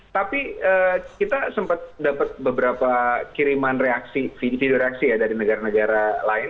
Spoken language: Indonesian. tapi kita sempat dapat beberapa kiriman reaksi video reaksi ya dari negara negara lain